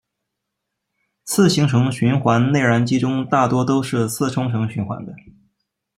四行程循环内燃机中大多都是四冲程循环的。